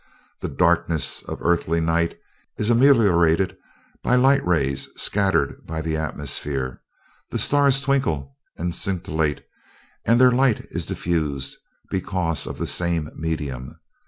The darkness of Earthly night is ameliorated by light rays scattered by the atmosphere: the stars twinkle and scintillate and their light is diffused, because of the same medium.